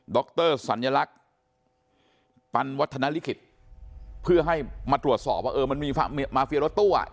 รสัญลักษณ์ปันวัฒนลิขิตเพื่อให้มาตรวจสอบว่าเออมันมีมาเฟียรถตู้อ่ะ